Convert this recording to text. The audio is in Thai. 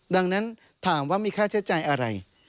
ดังนั้นถามว่ามีค่าเชื่อใจอะไร